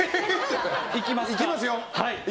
いきますよ。